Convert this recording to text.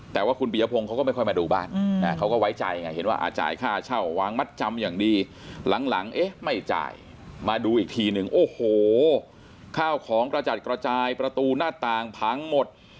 แต่ว่าคุณปียพงศ์เขาก็ไม่ค่อยมาดูบ้านเขาก็ไว้ใจไงเห็นว่าจ่ายค่าเช่าวางมัดจำอย่างดีหลังเอ๊ะไม่จ่ายมาดูอีกทีหนึ่งโอ้โหข้าวของกระจัดกระจายประตูหน้าต่างพังหมด